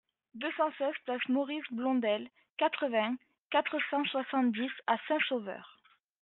deux cent seize place Maurice Blondel, quatre-vingts, quatre cent soixante-dix à Saint-Sauveur